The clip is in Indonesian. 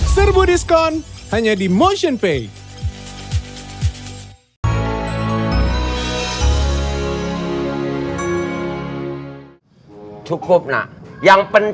serbu diskon hanya di motionpay